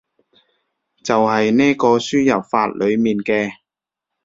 就係呢個輸入法裏面嘅